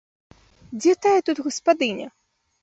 Дзе тая тут гаспадыня?